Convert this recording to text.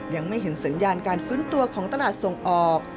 ยังไม่เห็นสัญญาณการฟื้นตัวของตลาดส่งออก